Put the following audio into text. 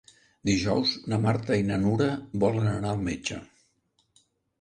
Dijous na Marta i na Nura volen anar al metge.